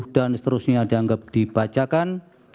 dan seterusnya dianggap dibacakan